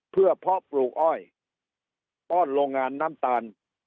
เพื่อเพาะปลูกอ้อยป้อนโรงงานน้ำตาล